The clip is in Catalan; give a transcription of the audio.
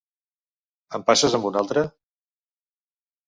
Em passes amb un altre?